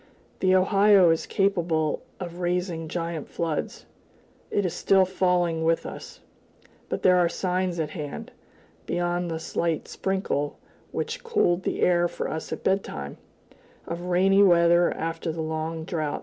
The Ohio is capable of raising giant floods; it is still falling with us, but there are signs at hand, beyond the slight sprinkle which cooled the air for us at bedtime, of rainy weather after the long drouth.